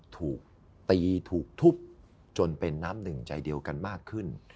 ถูกตีถูกทุบจนเป็นน้ำหนึ่งใจเดียวกันมากขึ้น